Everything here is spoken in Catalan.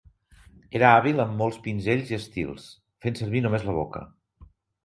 Era hàbil amb molts pinzells i estils, fent servir només la boca.